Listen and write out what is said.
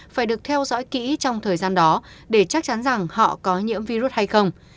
phải được theo dõi kỹ trong thời gian đó để chắc chắn rằng họ có nhiễm virus hay không